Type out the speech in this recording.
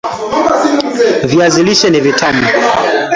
Viazi lishe ni vitamu